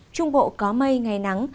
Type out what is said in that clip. trung bộ có mây ngày nắng